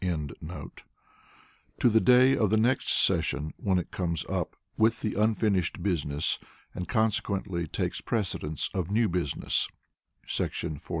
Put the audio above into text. ] to the day of the next session when it comes up with the unfinished business, and consequently takes precedence of new business [§ 44].